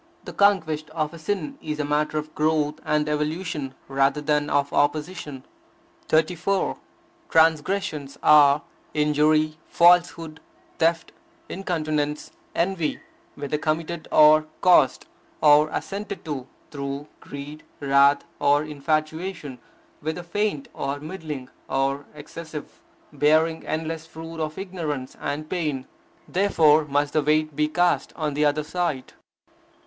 The conquest of a sin is a matter of growth and evolution, rather than of opposition. 34. Transgressions are injury, falsehood, theft, incontinence, envy; whether committed, or caused, or assented to, through greed, wrath, or infatuation; whether faint, or middling, or excessive; bearing endless, fruit of ignorance and pain. Therefore must the weight be cast on the other side.